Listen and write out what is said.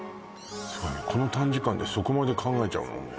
すごいこの短時間でそこまで考えちゃうの？